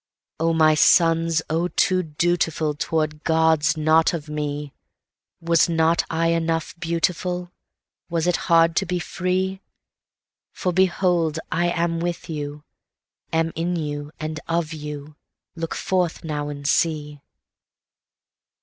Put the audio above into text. O my sons, O too dutifulToward Gods not of me, Was not I enough beautiful? Was it hard to be free? For behold, I am with you, am in you and of you; look forth now and see.